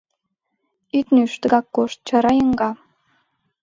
— Ит нӱж, тыгак кошт, — чара еҥга.